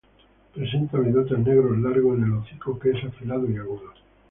Presenta bigotes negros largos en el hocico, que es afilado y agudo.